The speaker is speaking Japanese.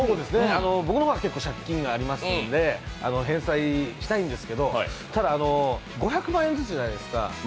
僕の場合は結構借金がありますので返済したいんですけどただ、５００万円ずつじゃないですか。